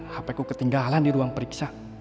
hp ketinggalan di ruang periksa